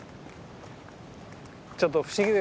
ちょっと不思議ですよね。